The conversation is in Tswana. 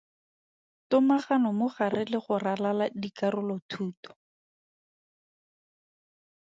Tomagano mo gare le go ralala dikarolothuto.